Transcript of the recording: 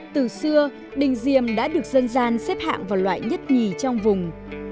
từ xưa đình diềm đã được dân gian xếp hạng vào loại nhất nhì trong vùng